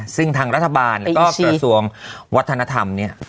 ซึ่งทางรัฐบาลและก็ประสวงวัฒนธรรมนี้